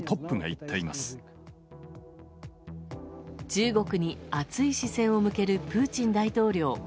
中国に熱い視線を向けるプーチン大統領。